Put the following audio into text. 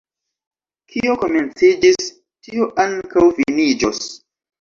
Kio komenciĝis, tio ankaŭ finiĝos.